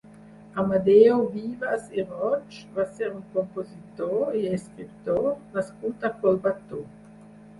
Amadeu Vives i Roig va ser un compositor i escriptor nascut a Collbató.